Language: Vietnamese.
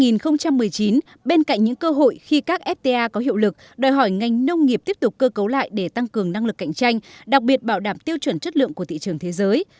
năm hai nghìn một mươi chín bên cạnh những cơ hội khi các fta có hiệu lực đòi hỏi ngành nông nghiệp tiếp tục cơ cấu lại để tăng cường năng lực cạnh tranh đặc biệt bảo đảm tiêu chuẩn chất lượng của thị trường thế giới